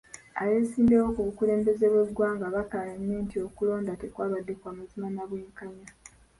Abeesimbyewo ku bukulembeze bw'eggwanga baakaayanye nti okulonda tekwabadde kw'amazima na bwenkanya.